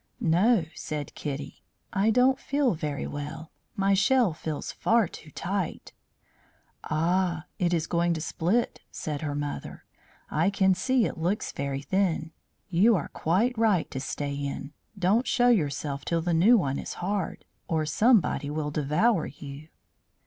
"No," said Kitty; "I don't feel very well. My shell feels far too tight." "Ah! it is going to split," said her mother. "I can see it looks very thin. You are quite right to stay in. Don't show yourself till the new one is hard, or somebody will devour you."